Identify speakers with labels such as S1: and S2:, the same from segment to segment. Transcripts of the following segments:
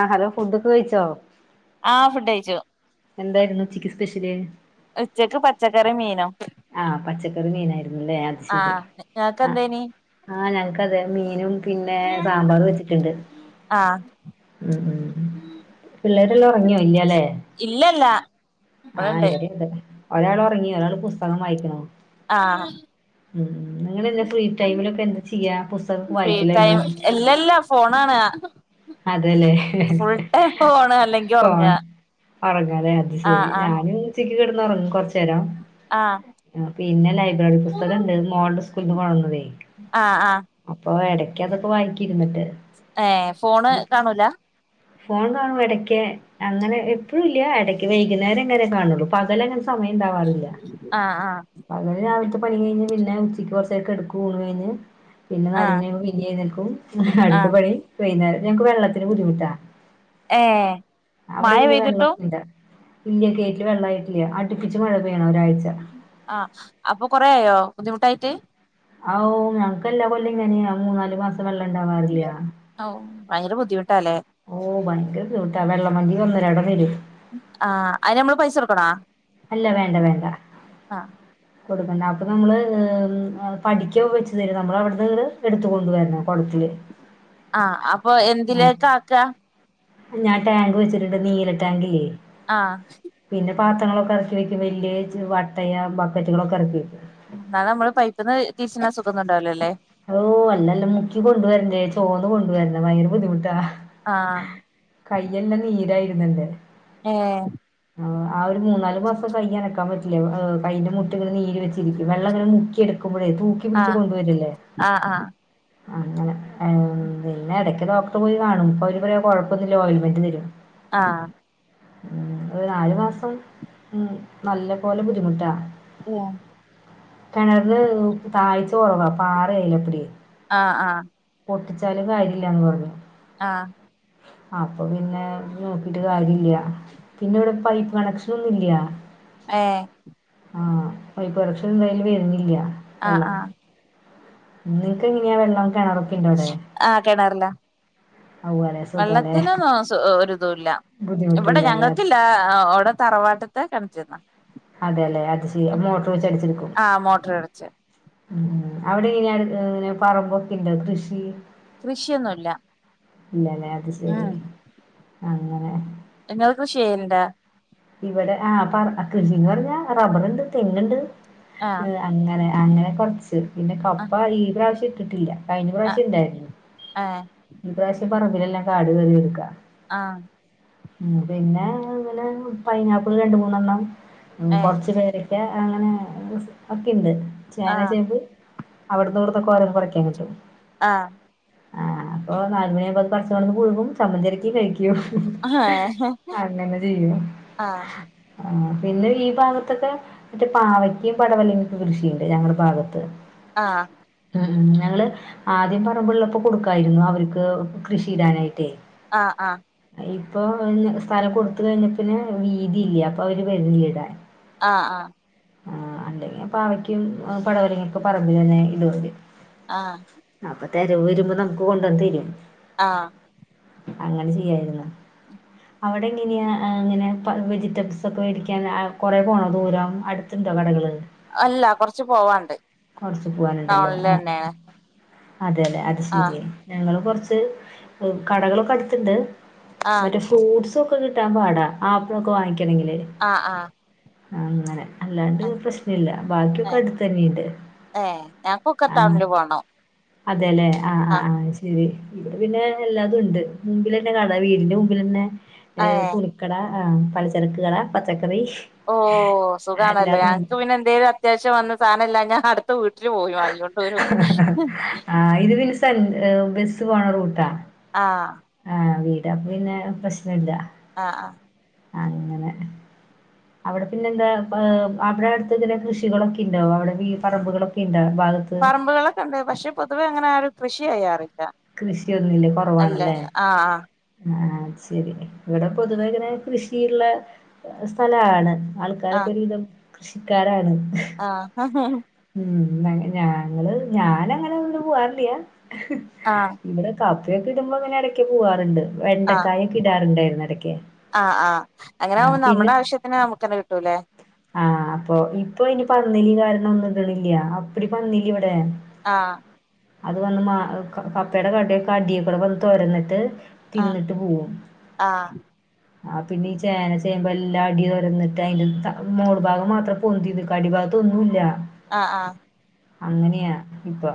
S1: ആഹ hello ഫുഡ ചോയ്ച്ചോ
S2: ആ ഫുഡ് ഴിച്ചു
S1: എന്തായിരുന്നു ഉച്ചക്ക് സ്പെഷ്യല്
S2: ഉച്ചക്ക് പച്ചക്കറിം മീനും
S1: ല്ലേ അത് ശരി
S2: ആഹ് നിങ്ങക്ക്
S1: ആ
S2: എന്തേനി
S1: ആഹ് ഞങ്ങക്ക് അതെ മീനും പിന്നെ സാമ്പാറും വെച്ചിട്ടുണ്ട്
S2: ആഹ്
S1: ഉം പിള്ളേരെല്ലാം ഉറങ്ങിയോ ഇല്ലാലെ
S2: ഇല്ലല്ല
S1: ആഹ
S2: ഇവിടെണ്ട്
S1: ഇവടെ ണ്ട് ഒരാൾ ഉറങ്ങി ഒരാൾ പുസ് തകം വായിക്ക്ണ്
S2: ആഹ്
S1: ഉ നിങ്ങ എന്താ ഫ്രീ ടൈമിലൊക്കെ എന്താ ചെയ്യാ പുസ്തകക്കെ
S2: ഫ്രീ
S1: വായിക്കലോ എ
S2: ടൈം
S1: പുകം
S2: ഇല്ലല്ല ഫോണാണ്
S1: അതെല്ലേ
S2: ഫുൾ ടൈം ഫോണ് അല്ലെങ്കി ഒറങ്ങ
S1: ഫോൺ ഉറങ്ങാലെ അത്
S2: ആഹ്
S1: ശരി
S2: ആഹ്
S1: ഞാനും ഇതിൽ കിടന്ന് ഉറങ്ങ് കുറച്ച് രം
S2: ആഹ്
S1: പിന്നെ ലൈബ്രറി പുസ്തകംണ്ട് മോൾടെ സ്കൂൾന്ന് കൊട്ന്നതേ
S2: ആഹ് ആഹ്
S1: അപ്പൊ എടക്ക് അതൊക്കെ വായിക്കിരുന്നിട്ടേ
S2: ഏഹ് ഫോണ് കാണൂല
S1: ഫോൺ കാണും ഇടക്ക് അങ്ങനെ എപ്പോഴും ഇല്ല ഇടക്ക് വൈകുന്നേരം എങ്ങന കാണുള്ളൂ പകലങ്ങന സമയം ഉണ്ടാവാറില്ല
S2: ആഹ് ആഹ്
S1: പണി കഴിഞ്ഞ് പിന്നെ ഉച്ചക്ക് കുറച്ചേരം കെടുക്കും ഊണ് കഴിഞ്ഞ് പിന്നെ നാല്
S2: ആഹ്
S1: മണിയ ആകുമ്പോ പിന്നെഴുന്നൽക്കും അടുത്ത
S2: ആഹ്
S1: പണി വൈന്നേരം ഞങ്ങക്ക് വെള്ളത്തിന് ബുദ്ധിമുട്ടാ
S2: ഏഹ്
S1: അവിടെ
S2: മഴ
S1: എങ്ങനെ
S2: പെയ്തിട്ടും
S1: വെള്ളൊക്കെ ഇണ്ടോ ഇല്ല്യാ കെയ്റ്റില് വെള്ളായിട്ടില്ല്യാ അടുപ്പിച്ച് മഴ പെയ്യണം ഒരാഴ്ച
S2: ആഹ് അപ്പൊ കൊറയായോ ബുദ്ധിമുട്ടായിട്ട്
S1: ആ ഓ ഞങ്ങ്ക്കെല്ലാ കൊല്ലവും ഇങ്ങനെയാ മൂന്നാല് മാസം വെള്ളം
S2: [unintelligible]
S1: ഉണ്ടാവാറില്ല
S2: ഔ ഭയങ്കര ബുദ്ധിമുട്ടാല്ലേ
S1: [unintelligible] ട്ട വെള്ളം വണ്ടി ഒന്നുരാടം വരും
S2: ആഹ് അയ്ന് മ്മള് പൈസ കൊടുക്കണാ
S1: അല്ല വേണ്ട വേണ്ട കൊടുക്കണ്ട അപ്പം നമ്മള് പഠിക്ക വെച്ചു തരും നമ്മളവ്ട്ന്നിങ്ങട് എടുത്തു കൊണ്ടുവരണം കൊടത്തില്
S2: ആഹ് അപ്പൊ എന്തിലേക്കാക്ക
S1: ഞാൻ ടാങ്ക് വച്ചിട്ട്ണ്ട് നീല ടാങ്കില്ലേ
S2: ആഹ്
S1: പാത്രങ്ങളോ പെറക്കി വെക്കും വെല്യ വട്ടയ ബക്കറ്റുകളൊക്കെ എറക്കി വെക്കും
S2: ന്നാ നമ്മള് പൈപ്പിന്ന് തിര്ച്ച്ണ സുഖോന്നുണ്ടാവില്ലാല്ലേ
S1: ഓ അല്ലല്ലാം മുക്കി കൊണ്ടുവരണ്ടേ ചോന്നു കൊണ്ടുവരുണം വയ്റ് ബുദ്ധിമുട്ടാ
S2: ആഹ്
S1: ഹ് കൈയെല്ലാം നീരായിരുന്നു ന്നണ്ട്
S2: ഏ
S1: ആ ഒരു മൂന്നാല് മാസം കയ്യനക്കാൻ പറ്റില്യാ കയ്യിന്റെ മുട്ടിന് നീര് വെച്ചിരിക്കും വെള്ളംങ്ങനെ മുക്കിയെടുക്കും മ്പഴേ തൂക്കി പിടിച്ച് കൊണ്ടുവരില്ലേ
S2: ആഹ് ആഹ്-
S1: അങ്ങനെ- ആഹ് ആഹ് പിന്നെ അടക്ക് ഡോക്ടറ് പോയി കാണും പ്പൊ അവര് പറയ കൊഴപ്പൊന്നില്ല ഓയിൽമെൻ്റ് തരും-
S2: ആഹ് -
S1: ഉം ഒരു നാലു മാസം ഉം നല്ല പോലെ ബുദ്ധിമുട്ടാ
S2: [unintelligible]
S1: കെണറ് താഴ്ച്ച കൊറവാ പാ വെയ്ലപ്പടി
S2: ആഹ് ആഹ്
S1: പൊട്ടിച്ചാലും കാര്യില്ലാന്ന് പറഞ്ഞു
S2: ആഹ്
S1: അപ്പൊ പിന്നെ നോക്കിട്ട് കാര്യല്ല്യാ പിന്നെ ഇവിടെ പൈപ്പ് കണക്ഷനൊന്നൂല്ല്യാ
S2: ഏഹ്
S1: ആ പൈപ്പ് കണക്ഷൻ മേലെ വരുന്നില്ല്യാ
S2: ആഹ് ആഹ്
S1: നിങ്ങക്ക് ഇങ്ങനെയാ വെള്ളം കിണറൊക്കെ ഉണ്ടോ അവിടെ
S2: ആഹ് കിണറിലേ
S1: അതുപോലെ സുഖമല്ലേ
S2: വെള്ളത്തിനൊന്നും സു ഒരിതുല്ല ഇവിടെ
S1: ബുദ്ധിമുട്ടില്ലല്ലേ
S2: ഞങ്ങൾക്കില്ല അവിടെ തറവാട്ടത്തെ [unintelligible]
S1: അതേല്ലേ അതുശെരി അപ്പോ മോട്ടർ വെച്ചടിച്ചെടുക്കും
S2: ആഹ് മോട്ടർ അടച്ച്
S1: ഉം അവിടെ എങ്ങനെയാ പിന്നെ പറമ്പൊക്കെ ഇണ്ടോ കൃഷി
S2: കൃഷിയൊന്നുമില്ല
S1: ഇല്ലല്ലേ അത് ശരി അങ്ങനെ
S2: നിങ്ങൾ കൃഷി ചെയ്യണ്ട
S1: ഇവിടെ ആഹ് പറ കൃഷിന്ന് പറഞ്ഞാ റബ്ബറുണ്ട് തെങ്ങുണ്ട്
S2: ആഹ്
S1: ഉം അങ്ങനെ അങ്ങനെ കൊറച്ച് പിന്നെ കപ്പ ഈ പ്രാവശ്യം- കിട്ടില്ല കഴിഞ്ഞ
S2: ആഹ്
S1: പ്രാവശ്യം ഇണ്ടായിരുന്നു
S2: ആഹ്
S1: ഈ പ്രാവശ്യം- പറമ്പിലെല്ലാം കാട് കേറികെടുക്കാ
S2: ആഹ്
S1: ഉം പിന്നെ ഇങ്ങനെ പൈനാപ്പിൾ രണ്ട് മൂന്നെണ്ണം- ഉം
S2: ഏഹ്
S1: കൊറച്ചു പേര് പിന്നെ അങ്ങനെ ഒക്കെയുണ്ട് ചേന
S2: ആഹ്
S1: ചേമ്പ് അവിടുന്ന് ഇവിടൊന്നൊക്കെ ഓരോന്ന് പറിക്കാൻ കിട്ടും
S2: ആഹ്
S1: ആഹ് അപ്പൊ നാലുമണിയാകുമ്പോ പറിച്ചോണ്ട് വന്ന് പുഴുങ്ങും ചമ്മന്തി അരക്കും കഴിക്കും അയ്യോ
S2: ഏഹ്
S1: അങ്ങനെ ചെയ്യും
S2: ആഹ്
S1: ആഹ് പിന്നെ ഈ ഭാഗത്തൊക്കെ മറ്റേ പാവയ്ക്കും, പടവലയും, ഒക്കെ കൃഷിയണ്ട് ഞങ്ങളെ ഭാഗത്ത്
S2: ആഹ്
S1: ഉം ഞങ്ങള് ആദ്യം പറമ്പളൊക്കെ കൊടുക്കായിരുന്നു അവർക്ക് കൃഷിയിടാനായിട്ടേ
S2: ആഹ് ആഹ്
S1: ഇപ്പൊ സ്ഥലം കൊടുത്ത കഴിഞ്ഞ പിന്നെ വീതി ഇല്ല അപ്പൊ അവര് [unintelligible]
S2: ആഹ് ആഹ്
S1: ആഹ് അല്ലെങ്കി പാവയ്ക്കും, പടവളൊക്കെ പറമ്പിലെന്നെ [unintelligible]
S2: ആഹ്
S1: [unintelligible] വരുമ്പോ നമുക്ക് കൊണ്ടന്ന് തരും
S2: ആഹ്
S1: അങ്ങനെ ചെയ്യായിരുന്നു അവിടെ എങ്ങനെയാ ഇങ്ങനെ വെജിറ്റബ്സ് ഒക്കെ മേടിക്കൻ കുറെ പോണോ ദൂരം അടുത്തുണ്ടോ കടകൾ
S2: അല്ല കൊറച്ച് പോവാണ്ട്
S1: കുറച്ച്
S2: ടൗണില് തന്നെയാ
S1: അതെ ല്ലെ അത് ശരി ഞങ്ങൾ കുറ ച്ച് കടകളൊക്കെ അടുത്തിണ്ട്
S2: ആഹ്
S1: മറ്റേ ഫ്രൂട്സ് ക്കെ കിട്ടാൻ പാട ആപ്പിൾ ഒക്കെ വങ്ങിക്ക
S2: ആഹ് ആഹ്
S1: അങ്ങനെ അല്ലാണ്ട്
S2: ആഹ്
S1: പ്രശ്നല്ല ബാക്കിയൊക്കെ
S2: ഏഹ്
S1: അടുത്ത തന്നെയുണ്ട്
S2: ഏഹ് ഞങ്ങക്കൊക്കെ
S1: ആ
S2: ടൗണില് പോണം
S1: അതെല്ലേ ആഹ് ആ ആഹ ശരി ഇവിടെ പിന്നെ എല്ലാതും ഉണ്ട് മുമ്പിൽ തന്നെ കട വീടിന്റെ മുമ്പിൽ ന്നെ ഏ
S2: ഏഹ്
S1: തുണിക്കട ആഹ് പളി ചെരക്ക് കട പച്ചക്കറി
S2: ഓ സുഖാണല്ലോ
S1: എല്ലാതും ഉണ്ട്.
S2: ഞങ്ങക്ക് പിന്നെ എന്തേലും അത്യാവശ്യം വന്ന സാധനം ഇല്ലഞ്ഞ അടു ത്ത വീ
S1: ആഹ് ഇത് പിന് സെ ബി ത്ത് പോണ റൂട്ടാ
S2: ആഹ്
S1: അപ്പ പിന്നെ പ്രശ്നം ഇല്ല
S2: ആഹ് ആഹ്
S1: അങ്ങനെ അവിടെ പിന്നെ എന്താ അവിടെ അടുത്ത് ഇങ്ങനെ കൃഷികളൊക്കെ ഉണ്ടോ അവിടെ ഈ പറമ്പുകളും പിന്ന
S2: പറമ്പുകളൊക്കെ ഉണ്ട് പക്ഷെ പൊതുവെ അങ്ങനെ ആ ഒരു കൃഷിയായിാറ
S1: കൃഷിയൊന്നുല്ലേ കുറവാണല്ലേ
S2: ആഹ്
S1: ആഹ ശരി ഇവിടെ പൊതുവേഖനെ കൃഷിയുള്ള സ്ഥലമാണ് ആൾക്കാരൊക്കെൊ
S2: ആഹ്
S1: ഒരു വിതം കൃഷിക്കാരാണ്
S2: ആഹ് ആഹ
S1: ഉം ഞങ്ങള് ഞാനങ്ങനെ ഒ പോവാറില്ലാ
S2: ആഹ്
S1: ഇവിടെ കാപ്പ അൊക്ക ഇടുമ്പോ അങ്ങെ ഇടക്കക്ക് പോകാുണ്ട്
S2: ആഹ്
S1: വെണ്ടക്കായൊക്കെ ഇടാറുണ്ടായിുന്ന ഇടക്കെ
S2: ആഹ് ആഹ് അങ്ങനെ
S1: ആഹ
S2: ആവുമ്പോ
S1: പിന്നെ
S2: നമ്മുടെ ആവശ്യത്തിന് നമുക്കന്നെ കിട്ടൂലേ
S1: ആഹ അപ്പൊ ഇപ്പൊ ഇനി പറന്നില്ലഈ ക ഒന്നും ഇണില്ല അപ്പടി പന്നില്ല ഇവിടെ
S2: ആഹ
S1: അത് വന്ന് മാ കപ്പയുടെ കട കടിയ കൂടെ വന്ന് തുരന്നിട്ട്
S2: ആഹ്
S1: തിന്നിട്ട് പോവും
S2: ആഹ്
S1: ആ പിന്നെ ഈ ചേന ചേുമമ്പ്പോ എല്ലാം അടി തുരന്നിട്ട് അതിന്റെ മോൾ ഭാഗം മാത്രം പൊന്തി അടിഭാഗത്തൊന്നുമല്ല
S2: ആഹ ആഹ്
S1: അങ്ങനെയാ ഇപ്പൊ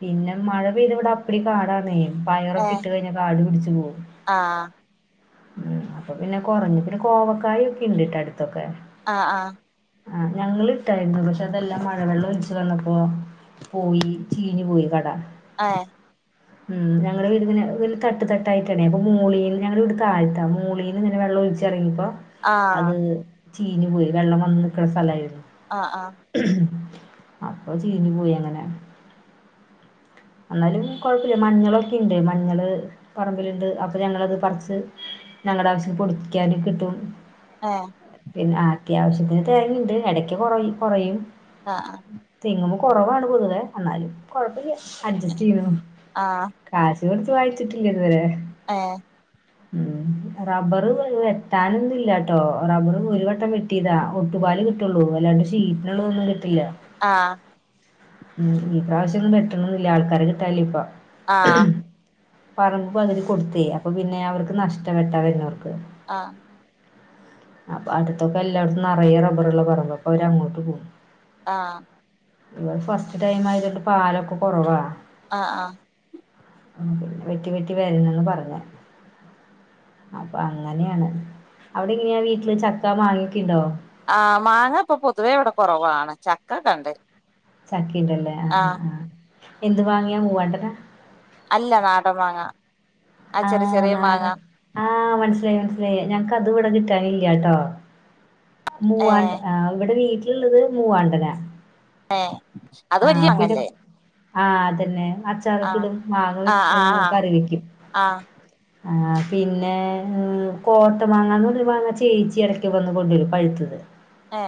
S1: പിന്നെ മഴ പെയ്ത ഇവിടെ അപ്പടി കാണാടന്നേ പയറൊക്കെ ഇട്ട്
S2: ഏഹ്
S1: കഴിഞ്ഞ കാടു പിടിച്ചു പോകവും
S2: ആഹ്
S1: ഉം അപ്പൊ പിന്നെ കുറഞ്ഞ പിന്നെ കോവക്കായ ഒക്കെ ഇണ്ട്ട്ട അടുത്തൊക്കെ
S2: ആഹ ആഹ
S1: ആ ഞങ്ങിട്ടായിരുന്നു പക്ഷെ അതെല്ലാം മഴവെള്ളം ഒലിച്ചച്ച് വന്നപ്പോ പോയി ചീഞ്ഞഞ് പോയിരുന്നു കട
S2: ആഹ
S1: ഉം ഞങ്ങ വീന്െ തട്ട് തട്ടായിട്ടണേ അപ്പൊ മൂളീ ഞങ്ങടെ വീട് താഴ്ത്താ മൂളീന്ന് ഇങ്ങെ വെള്ളം ഒഴിച്ചിറങ്ങിപ്പോ
S2: ആഹ്
S1: അത് ചീനി പോയി വെള്ളം വന്ന് നൽക്കുന്ന സ്ഥലമായി [inaudible]
S2: ആഹ്
S1: അപ്പൊ ചീഞ്ഞഞ് പോയി അങ്ങനെ എന്നാലും കൊഴപ്പമില്ല മഞ്ഞളൊക്കെ ഇണ്ട് മഞ്ഞള് പറമ്പിലുണ്ട് അപ്പൊ ഞങ്ങളത് പറച്ച് ഞങ്ങളുടെ ആവശ്യത്തിം പൊടിക്കാനും കിട്ടും
S2: ആഹ
S1: പിന്നെ അത്യാവശ്യത്തിന് തിരങ്ങുണ്ട് ഇടയ്ക്ക് കുറയും കുറയും
S2: ഏഹ്
S1: തെങ്ങോ കുറവാണ് പൊതുവെ എന്നാലും കുഴപ്പല്ല അച് സറ്റീ
S2: ആഹ്
S1: കാശ ചേർത്ത് വായിച്ചിട്ടില്ലന്ന് വരെ
S2: എ
S1: ഉം റബ്ബർ വെട്ടാനൊന്നും ഇല്ലാട്ടോ റബ്ബർ ഒരു വട്ടം വെട്ടിതാ ഒട്ടുപാല് കിട്ടൊള്ളൂ അല്ലാണ്ട് ഷീറ്റിനുള്ളതൊന്നും കിട്ടില്ല
S2: ആ
S1: ഉം ഉ ഇപ്രാശ്യൊന്നും വെട്ടണംന്നില്ല ആൾക്കാരെ കിട്ടാനില്ല ഇപ്പം
S2: ആ
S1: പറമ്പ് പകുതി കൊടുത്തേ അപ്പൊ പിന്നെ അവർക്ക് നഷ്ടാ വെട്ടാം വെരുന്നോർക്ക്
S2: അ
S1: അപ്പൊ അടുത്തൊക്കെ എല്ലായിടത്തും നറയെ റബ്ബറ്ള്ള പറമ്പ അപ്പൊ അവര് അങ്ങോട്ട് പോം
S2: ആ
S1: ഇവിടെ ഫസ്റ്റ് ടൈം ആയതോണ്ട് പാലൊക്കെ കൊറവ
S2: അ ആ
S1: പിന്നെ വെട്ടി വെട്ടി വരുന്നന്ന് പറഞ്ഞെ അപ്പൊ അങ്ങനെയാണ് അവിടെ എങ്ങനെയാ വീട്ടില് ചക്ക മാങ്ങക്യുണ്ടോ
S2: ആ മാങ്ങ ഇപ്പൊ പൊതുവേ ഇവിടെ കൊറവാണ് ചക്കക്ക്ണ്ട്
S1: [unintelligible] ല്ല ല്ലേ ആ ആ എന്ത് മാങ്ങയാ മൂവാണ്ടനാ
S2: അല്ല നാടമ്മാങ്ങ
S1: ആ നാടൻ ആ മനസ്സിലായി മനസ്സിലായി ഞങ്ക്ക്ക്കത് ഇവിടെ കിട്ടാനില്ലാട്ടോ മൂവാണ്ട്
S2: ഏഹ്
S1: ആ ഇവിടെ വീ [unintelligible] ഇള്ളത് മൂവാണ്ടന
S2: ഏഹ് അത്
S1: ആ
S2: വല്യ
S1: പിന്നെ
S2: മാങ്ങല്ലേ
S1: ആ അതെന്നെ അച്ചാറൊക്കെ
S2: ആഹ്
S1: ഇടും മാങ്ങ വെ കറി വെക്കും
S2: ആ
S1: ആ പിന്നെ കോട്ടമാങ്ങന്നന്നൊരു മാങ്ങ ചേച്ചി എടക്ക് വന്ന് കൊണ്ടരും പഴുത്തത്
S2: ഏ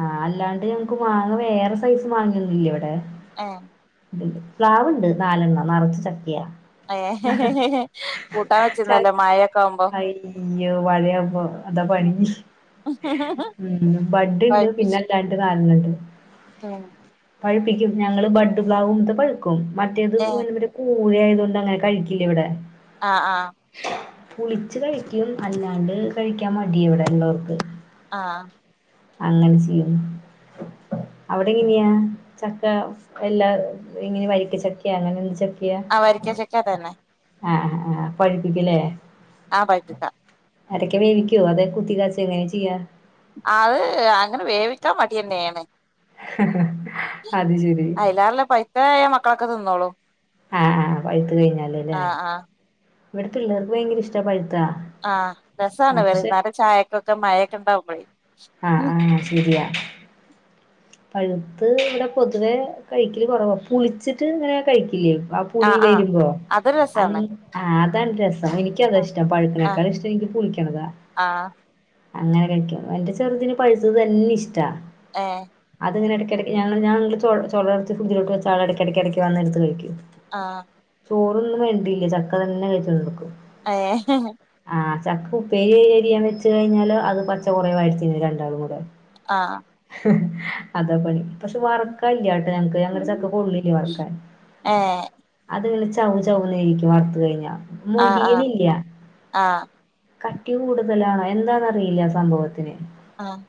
S1: ആ അല്ലാണ്ട് ഞങ്ങക്ക് മാങ്ങ വേറെ സൈസ് മാങ്ങയൊന്നില്ലവിടെ
S2: ഏ
S1: പ്ലാവുണ്ട് നാലെണ്ണം നറച്ച് ചക്കയാ
S2: ഏ ഹെ ഹെ കൂട്ടാൻ
S1: ച
S2: വെച്ചിരുന്നല്ലോ മയൊക്കെ ആവുമ്പോ
S1: [unintelligible] അതാ
S2: ഉം
S1: പണി മ് ബഡുണ്ട്
S2: പഴുപ്പിച്ച്
S1: പിന്നെ രണ്ട് [unintelligible]
S2: [unintelligible]
S1: പഴുപ്പിക്കും ഞങ്ങള് ബഡ് പ്ലാവുമത്തെ പഴുക്കും മറ്റേത്
S2: ഏഹ്
S1: [unintelligible] കൂഴ ആയതോണ്ട് അങ്ങെനെ കഴിക്കു ല്ലവിടെ
S2: ആ ആ
S1: പുളിച്ച് കഴിക്കും അല്ലാണ്ട് കഴിക്കാൻ മടിയ ഇവിടൊള്ളോർക്ക്
S2: ആഹ്
S1: അങ്ങനെ ചെയ്യും. അവിടെ എങ്ങനെയാ ചക്ക എല്ലാ ഇങ്ങനെ വരിക്ക ചക്കയാ അങ്ങനെ ചക്കയാ
S2: ആ വരിക്ക ചക്ക തന്നെ
S1: ആഹ് ആഹ് പഴിപ്പിക്കലേ
S2: ആ പഴുപ്പിക്കാം
S1: എടക്ക് വേവിക്കോ അതെ കുത്തി ഇതെങ്ങനെയാ ചെയ്യാ
S2: അത് അങ്ങനെ വേവിക്കാൻ മടിയന്നെയാണ്
S1: അത് ശരി
S2: അയിലാണല്ലോ പൈത്താ മക്കളൊക്കെ തി ന്നോളും
S1: ആ ആ പഴുത്ത് കഴിഞ്ഞാല് അല്ലേ
S2: ആഹ് ആഹ്
S1: ഇവിടെ പിള്ളേർക്ക് ഭയങ്കര ഇഷ്ട്ടാ പഴു
S2: ആ രസാണ് വൈകുന്നേരം ചായക്കൊക്കെ മഴയൊക്കെ ഉണ്ടാവുമ്പഴേ
S1: ആ ആ ശരിയാ പഴുത്ത് ഇവിടെ പൊതുവെ കഴിക്കല് കുറവാ പുളിച്ചിട്ട് ഇങ്ങനെ കഴിക്കില്ലേ ആ പുളി
S2: ആഹ് ആഹ്
S1: വരുമ്പോ
S2: അതൊരു
S1: അ
S2: രസാണ്
S1: [unintelligible] എനിക്കതാ
S2: ഉം
S1: ഇഷ്ടം
S2: ആഹ്
S1: പഴുക്കണേക്കാളും ഇഷ്ടം എനിക്ക് പുളിക്കണതാ
S2: ആഹ്
S1: അങ്ങനെ കഴിക്കും എന്റെ ചെറുതിന് പഴുത്തത് വല്ല്യ ഇഷ്ടാ
S2: ആഹ്
S1: അതങ്ങനെ ഇടക്കെടക്ക് ഞങ്ങള് ഞ ഞാൻ ചൊള അടത്തിയിട്ട് ഫ്രിഡ്ജിലോട്ട് വച്ചാ അത് ഇടക്കിടക്കിടക്ക് വന്ന് എടുത്ത് കഴിക്കും
S2: ആഹ്
S1: ചോറൊന്നും വേണ്ടിയില്ല ചക്ക തന്നെ കഴിച്ചോണ്ടടക്കും
S2: ഏ
S1: ആ ചക്ക ഉപ്പേരി അരിയാൻ വെച്ച് കഴിഞ്ഞാല് അത് പച്ച കുറേ വാരി തിന്നും രണ്ടാളും കൂടെ
S2: ആഹ്
S1: അതാപണി പക്ഷേ വറക്കാല്ല്യട്ടോ ഞങ്ങക്ക് ഞങ്ങളെ ചക്ക കൊള്ളില്ല വറക്കാൻ
S2: ഏഹ്
S1: അത് പിന്നെ ച ചൗ ചൗനെയ്ക്കും വർത്തു കഴിഞ്ഞാ
S2: ആഹ് ആഹ്
S1: മുരിയിണില്ല
S2: ആഹ്
S1: കട്ടി കൂടുതലാണോ എന്താന്നറിയില്ല ആ സംഭവത്തിന്
S2: ആഹ്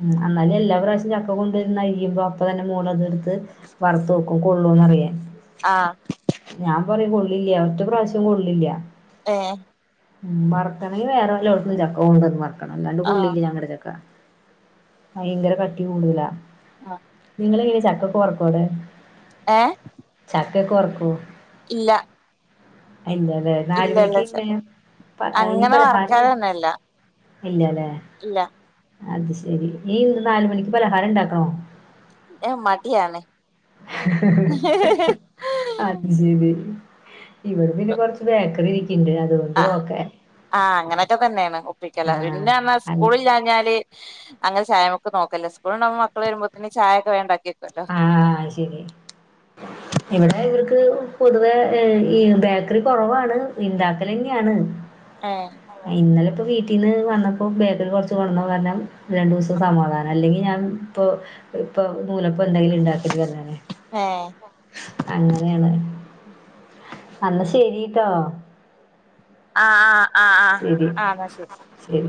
S1: ഉം എന്നാലും എല്ലാ പ്രാവശ്യം ച ഇപ്പ കൊണ്ടന്ന്ഴ്യുമ്പോ അപ്പ തന്നെ മോളത് എടുത്ത് വറുത്ത് വെക്കും കൊള്ളോന്നറിയാൻ
S2: ആഹ്
S1: ഞാൻ പറയും കൊള്ളില്ല ഒറ്റ പ്രാവശ്യം കൊള്ളില്ല
S2: ഏ
S1: ഉം ബർക്കണങ്കി വേറെ വല്ലോട്ത് ചക്ക കൊണ്ടന്ന് അല്ലാണ്ട്
S2: ആഹ്
S1: കൊള്ളില്ല ഞങ്ങടെ ചക്ക ഭയങ്കര കട്ടി കൂടുതല
S2: ആ
S1: നിങ്ങ ഇങ്ങനെ ചക്കക്കെ വർക്കോ അവിടെ
S2: ഏ
S1: ചക്ക ഒക്കെ വറക്കൂ
S2: ഇല്ല
S1: അയ് ഇല്ലലേ അല്ലേ നാല
S2: ഇല്ല ഇല്ല
S1: മണിക്ക്
S2: ച
S1: ഇങ്ങന ഈ
S2: അങ്ങനെ
S1: പലഹാരം
S2: വറക്കാനൊന്നല്ല
S1: ഇല്ലല്ലേ
S2: ഇല്ല
S1: അത് ശരി ഈനാല മണിക്ക് പലഹാരംഉണ്ടാക്കണോ
S2: എ മടിയാണ്
S1: അത് ശരി ഇവർ പിന്നെ കുറച്ച് ബേക്കറിരിക്ക
S2: ആ ആ അങ്ങനറ്റൊക്കെ തന്നെയാണ് ല
S1: ആഹ്.
S2: പിന്നെ പറഞ്ഞാ
S1: അൽ
S2: സ്കൂളില്ലാഞ്ഞാല് അങ്ങന ചായമക്ക് നോക്കല് ല്ല സ്കൂള്ണ്ടാവുമ്പോ മക്കള് വരുമ്പോത്തിന് ചായൊക്കെ വേണ്ടാക്കിയെക്കും
S1: ആ അത് ശരി ഇവിടെ ഇവർക്ക് പൊതുവെ ഈ ബേക്കറി കൊറവാണ് ണ്ടാക്കലെന്നെയാണ്
S2: ഏഹ്
S1: ഇന്നലെ ഇപ്പോ വീട്ടീന്ന് വന്നപ്പോ ബേക്കറി കൊറച്ച് കൊണ്ടന്ന കാരണം രണ്ടു ദിവസം സമാധാനം അല്ലെങ്കിൽ ഞാൻ ഇപ്പോ ഇപ്പോ നൂലപ്പം പ്പന്തേങ്കിലുണ്ടാക്കും ഉണ്ടാക്കരുത്പറഞ്ഞ [unintelligible]
S2: ഏ
S1: അങ്ങനെയാണ് അന്നാ ശരിട്ടോ
S2: ആ ആ ആ ആ
S1: ശരി.
S2: ആ അന്നാ ശരി
S1: ശരി.